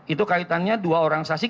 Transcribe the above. itu kaitannya dua orang saksi